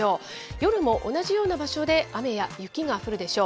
夜も同じような場所で雨や雪が降るでしょう。